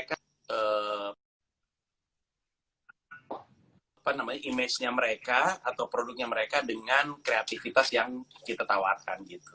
apa namanya image nya mereka atau produknya mereka dengan kreatifitas yang kita tawarkan gitu